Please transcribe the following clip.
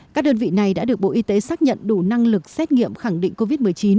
các đơn vị này đã được bộ y tế xác nhận đủ năng lực xét nghiệm khẳng định covid một mươi chín